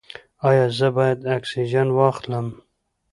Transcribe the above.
ایا زه باید اکسیجن واخلم؟